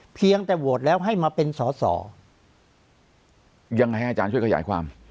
เพียงแต่โหวตแล้วให้มาเป็นสอสอยังไงให้อาจารย์ช่วยขยายความ